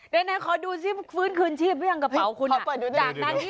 ด้วยหน่อยขอดูสิฟื้นคืนชีพเรื่องกระเป๋าคุณหาไปดูด้วย